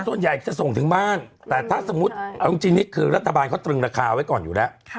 ส่วนใหญ่จะส่งถึงบ้านแต่ถ้าสมมุติเอาจริงนี่คือรัฐบาลเขาตรึงราคาไว้ก่อนอยู่แล้ว